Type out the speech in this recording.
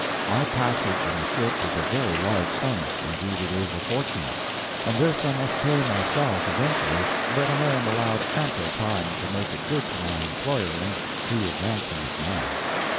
My passage in the ship is a very large sum indeed, it is a fortune and this I must pay myself eventually, but I am allowed ample time to make it good to my employer in, he advancing it now.